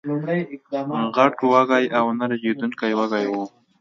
غټ وږي او نه رژېدونکي وږي وو